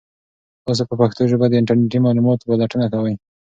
تاسو په پښتو ژبه د انټرنیټي معلوماتو پلټنه کوئ؟